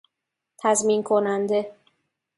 تضمین کننده